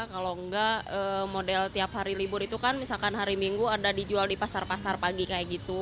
kalau enggak model tiap hari libur itu kan misalkan hari minggu ada dijual di pasar pasar pagi kayak gitu